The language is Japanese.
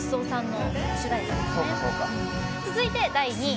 続いて、第２位！。